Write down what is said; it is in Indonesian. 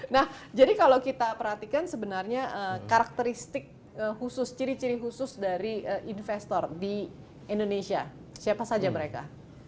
nah jadi kalau kita perhatikan sebenarnya karakteristik khusus ciri ciri khusus dari investor di indonesia siapa saja mereka